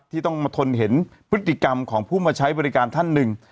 ที่ต้องมาทนเห็นพฤติกรรมของผู้มาใช้บริการท่านหนึ่ง